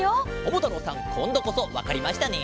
ももたろうさんこんどこそわかりましたね？